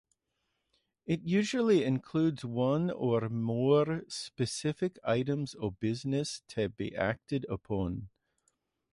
It usually includes one or more specific items of business to be acted upon.